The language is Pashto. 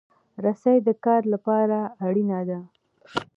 رسۍ د کار لپاره اړینه ده.